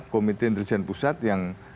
komite intelijen pusat yang